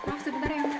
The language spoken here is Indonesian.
maaf sebentar ya mbak